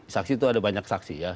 saksi itu ada banyak saksi ya